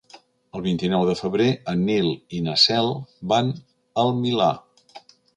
El vint-i-nou de febrer en Nil i na Cel van al Milà.